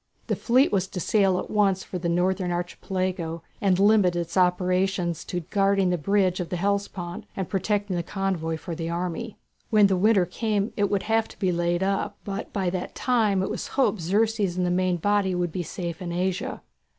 The fleet was to sail at once for the northern Archipelago, and limit its operations to guarding the bridge of the Hellespont and protecting the convoys for the army. When the winter came it would have to be laid up; but by that time it was hoped Xerxes and the main body would be safe in Asia.